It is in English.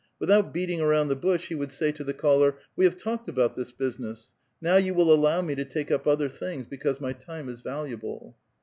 Without beating around the bush he would say to the caller, " We have talked about this business ; now you will allow me to take up other things, because my time is valuable."